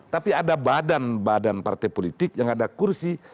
tapi ada badan badan partai politik yang ada kursi